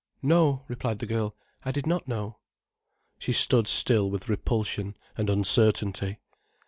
"No," replied the girl, "I did not know." She stood still with repulsion and uncertainty.